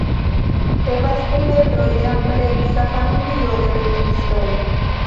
Temas pri membroj de ampleksa familio de pentristoj.